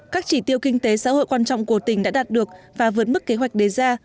các chỉ tiêu kinh tế xã hội quan trọng của tỉnh đã đạt được và vượt mức kế hoạch đề ra